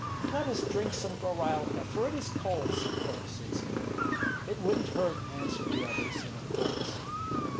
"Let us drink some gorailka, for it is cold," said Kokosinski. "It wouldn't hurt," answered the others, in a chorus.